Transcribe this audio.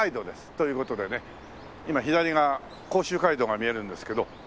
という事でね今左が甲州街道が見えるんですけど。